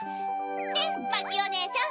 ねっマキおねえちゃん！